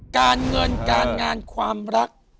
การเงินการงานความรัก